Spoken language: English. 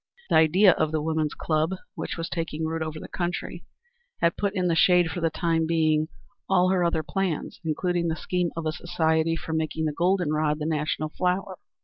The idea of the woman's club, which was taking root over the country, had put in the shade for the time being all her other plans, including the scheme of a society for making the golden rod the national flower.